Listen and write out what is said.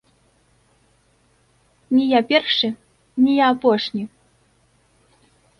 Не я першы, не я апошні!